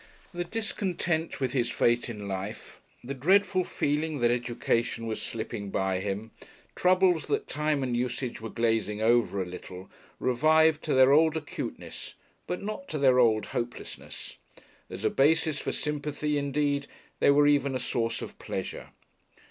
The discontent with his fate in life, the dreadful feeling that education was slipping by him, troubles that time and usage were glazing over a little, revived to their old acuteness but not to their old hopelessness. As a basis for sympathy indeed they were even a source of pleasure.